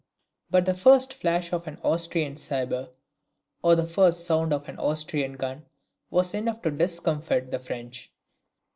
But the first flash of an Austrian sabre, or the first sound of Austrian gun, was enough to discomfit the French.